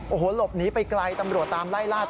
โอ้โหหลบหนีไปไกลตำรวจตามไล่ลาด